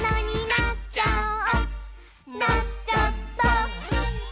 「なっちゃった！」